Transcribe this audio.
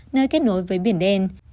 nơi kết nối với biển đen